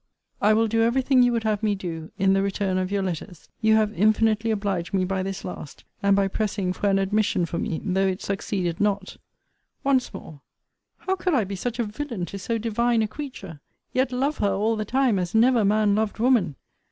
I will do every thing you would have me do, in the return of your letters. You have infinitely obliged me by this last, and by pressing for an admission for me, though it succeeded not. Once more, how could I be such a villain to so divine a creature! Yet love her all the time, as never man loved woman!